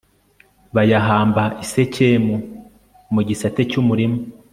bayahamba i sikemu mu gisate cy'umurima